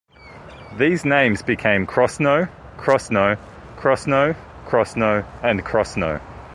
These names became Crossnoe, Crosnoe, Crossno, Crosno, and Crosskno.